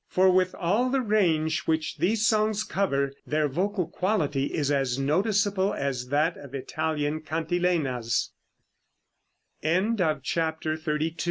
For with all the range which these songs cover, their vocal quality is as noticeable as that of Italian cantilenas. CHAPTER XXXIII.